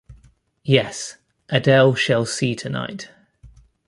Yes, Adele shall see tonight.